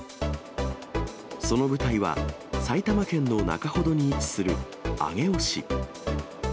その舞台は、埼玉県の中ほどに位置する上尾市。